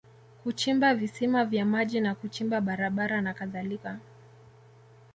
Kuchimba visima vya maji na kuchimba barabara na kadhalika